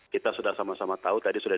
kita sudah sama sama tahu tadi sudah